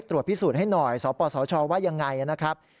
ตรวจพิสูจน์ให้หน่อยสปสชว่ายังไงนะครับ